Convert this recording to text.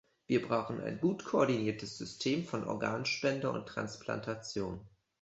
Wir brauchen ein gut koordiniertes System von Organspende und Transplantation.